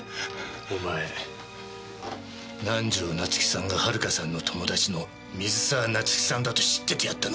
お前南条夏樹さんが遥さんの友達の水沢夏樹さんだと知っててやったのか？